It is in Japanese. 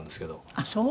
あっそう。